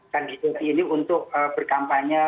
kandidat ini untuk berkampanye